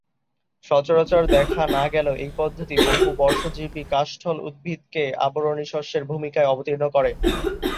সচরাচর দেখা না গেলেও এই পদ্ধতি বহুবর্ষজীবী কাষ্ঠল উদ্ভিদকে আবরণী-শস্যের ভূমিকায় অবতীর্ণ করে।